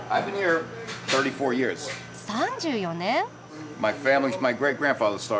３４年。